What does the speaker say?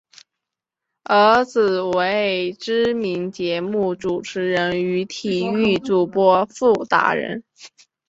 儿子为知名节目主持人与体育主播傅达仁。